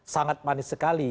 sangat manis sekali